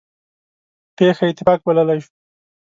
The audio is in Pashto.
پېښه اتفاق بللی شو.